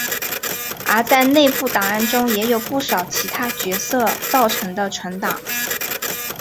而在内部档案中也有不少其他角色造成的存档。